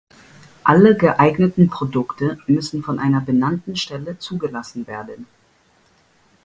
Alle geeigneten Produkte müssen von einer benannten Stelle zugelassen werden.